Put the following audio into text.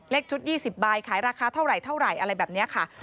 เลขชุด๒๐ใบขายราคาเท่าไหร่อะไรแบบนี้ค่ะ